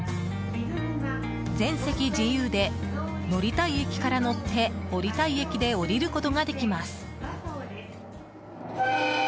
全席自由で乗りたい駅から乗って降りたい駅で降りることができます。